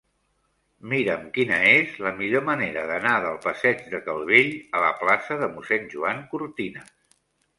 Mira'm quina és la millor manera d'anar del passeig de Calvell a la plaça de Mossèn Joan Cortinas.